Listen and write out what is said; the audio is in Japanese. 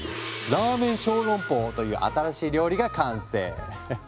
ラーメン小籠包という新しい料理が完成！